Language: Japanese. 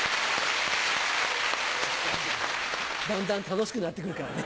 だんだん楽しくなってくるからね。